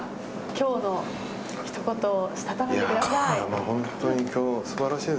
今日のひと言をしたためてください。